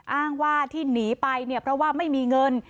อ้างว่าที่หนีไปเนี่ยเพราะว่าไม่มีเงิน